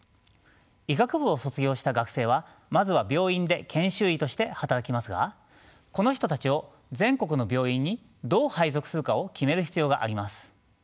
医学部を卒業した学生はまずは病院で研修医として働きますがこの人たちを全国の病院にどう配属するかを決める必要があります。